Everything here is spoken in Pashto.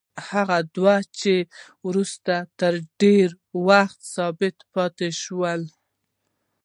هغه وده چې وروسته تر ډېره وخته ثابته پاتې شوه.